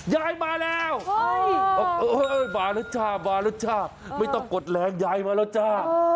ยายมาแล้วบอกเอ้ยมาแล้วจ้ามาแล้วจ้าไม่ต้องกดแรงยายมาแล้วจ้า